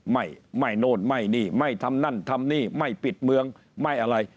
ไม่ไม่โน่นไม่นี่ไม่ทำนั่นทำนี่ไม่ปิดเมืองไม่อะไร